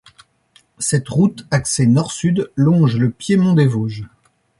Cette route axée nord-sud longe le piémont des Vosges.